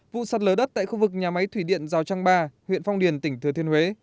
vụ sạt lở đất tại khu vực nhà máy thủy điện rào trăng ba huyện phong điền tỉnh thừa thiên huế